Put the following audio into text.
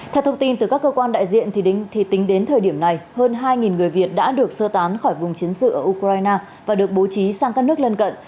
theo thông tin từ các cơ quan đại diện tính đến thời điểm này hơn hai người việt đã được sơ tán khỏi vùng chiến sự ở ukraine và được bố trí sang các nước lân cận